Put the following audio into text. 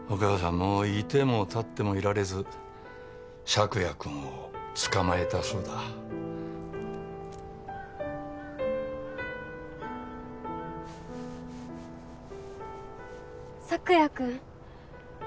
もういてもたってもいられず朔也君を捕まえたそうだ朔也君